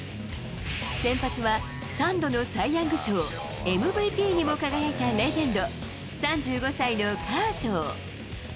先発は３度のサイ・ヤング賞、ＭＶＰにも輝いたレジェンド、３５歳のカーショウ。